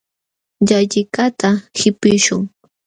Llalliqkaqta qipiśhun.